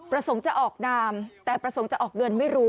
ประสงค์จะออกนามแต่ประสงค์จะออกเงินไม่รู้